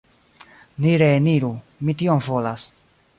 Ni reeniru; mi tion volas.